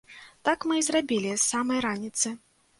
Так мы і зрабілі з самай раніцы.